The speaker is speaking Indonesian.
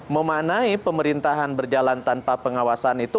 memanai pemerintahan berjalan tanpa pengawasan itu